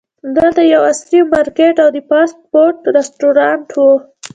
دلته یو عصري مارکیټ او د فاسټ فوډ رسټورانټ و.